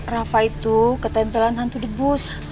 rafa itu ketempelan hantu debus